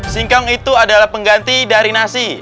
singkong itu adalah pengganti dari nasi